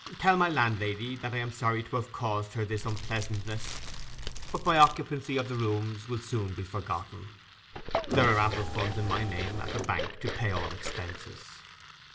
Tell my landlady that I am sorry to have caused her this unpleasantness; but my occupancy of the rooms will soon be forgotten. There are ample funds in my name at the bank to pay all expenses.